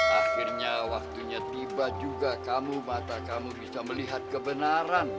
akhirnya waktunya tiba juga kamu mata kamu bisa melihat kebenaran